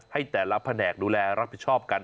ให้แต่ละแผนกดูแลรับผิดชอบกัน